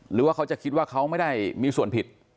หรือว่าเขาจะคิดว่าเขาไม่ได้มีส่วนผิด